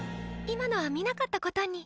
今のは見なかったことに。